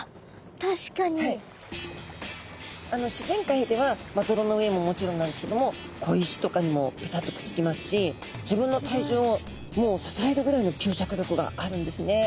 自然界では泥の上ももちろんなんですけども小石とかにもぺたっとくっつきますし自分の体重をもう支えるぐらいの吸着力があるんですね。